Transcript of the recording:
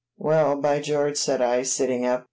"Well, by George!" said I, sitting up.